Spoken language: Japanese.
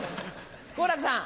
好楽さん。